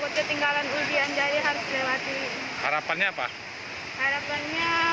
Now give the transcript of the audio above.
tidak ada jalan lain